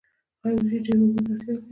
آیا وریجې ډیرو اوبو ته اړتیا لري؟